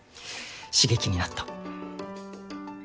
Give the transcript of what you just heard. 刺激になった。